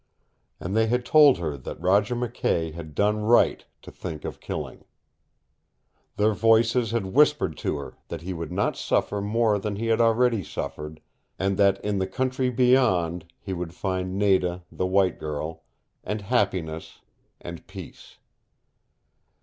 And they had told her that Roger McKay had done right to think of killing. Their voices had whispered to her that he would not suffer more than he had already suffered and that in the Country Beyond he would find Nada the white girl, and happiness, and peace.